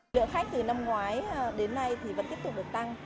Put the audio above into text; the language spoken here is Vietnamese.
lượng khách từ năm ngoái đến nay thì vẫn tiếp tục được tăng